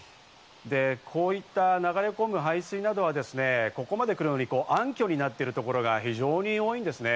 こういった流れ込む排水はここまで来るのに暗渠になってるところが非常に多いですね。